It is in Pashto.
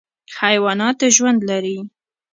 حیوانات ژوند لري.